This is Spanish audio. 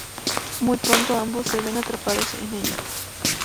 Muy pronto ambos se ven atrapados en ella.